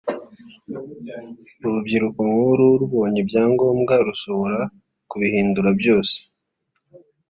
urubyiruko nk’uru rubonye ibyangombwa rushobora kubihindura byose